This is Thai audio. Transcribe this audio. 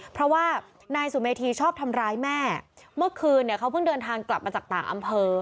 เพราะว่านายสุเมธีชอบทำร้ายแม่เมื่อคืนเนี่ยเขาเพิ่งเดินทางกลับมาจากต่างอำเภอ